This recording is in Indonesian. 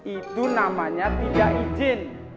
itu namanya tidak izin